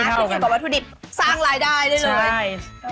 รู้สึกกับวัตถุดิบสร้างรายได้ได้เลย